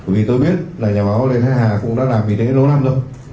vì tôi biết là nhà báo lê thái hà cũng đã làm vì thế lâu năm rồi